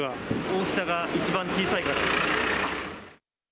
大きさが一番小さいから。